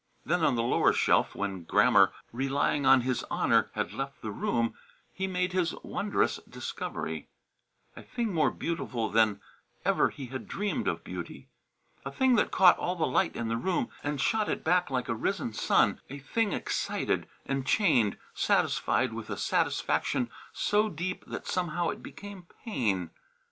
Then on the lower shelf, when Grammer, relying on his honour, had left the room, he made his wondrous discovery a thing more beautiful than ever he had dreamed of beauty; a thing that caught all the light in the room and shot it back like a risen sun; a thing that excited, enchained, satisfied with a satisfaction so deep that somehow it became pain.